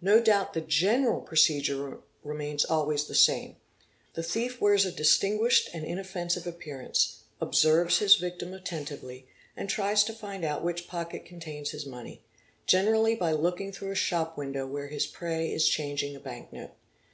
No doubt the general procedure remains always the same: the thief wears a distinguished and inoffensive appearance, observes his victim attentively, and tries to find . out which pocket contains his money—generally by looking through a " shop window where his prey is changing a banknote.